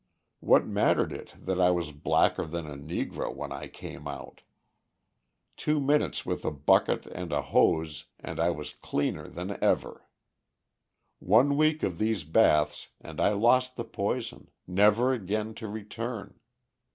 What mattered it that I was blacker than a negro when I came out. Two minutes with a bucket and a hose and I was cleaner than ever. One week of these baths and I lost the poison, never again to return.